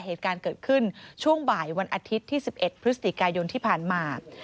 เหตุการณ์เกิดขึ้นช่วงบ่ายวันอาทิตย์ที่๑๑พฤศจิกายนที่ผ่านมา